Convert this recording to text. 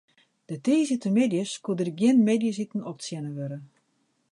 Dy tiisdeitemiddeis koe der gjin middeisiten optsjinne wurde.